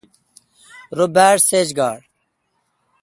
ررو باڑ سیج گار۔